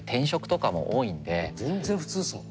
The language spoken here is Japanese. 全然普通ですもんね。